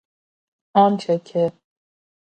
آنچه که